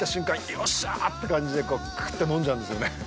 よっしゃーって感じでクーっと飲んじゃうんですよね。